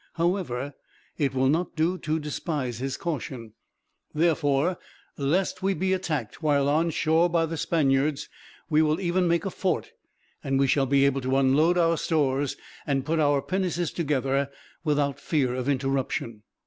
However, it will not do to despise his caution; therefore, lest we be attacked while on shore by the Spaniards, we will even make a fort; and we shall be able to unload our stores, and put our pinnaces together, without fear of interruption."